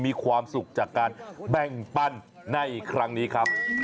มีความสุขจากการแบ่งปันในครั้งนี้ครับ